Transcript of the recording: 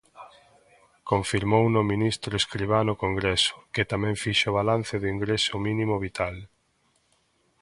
Confirmouno o ministro Escrivá no Congreso, que tamén fixo balance do Ingreso Mínimo Vital.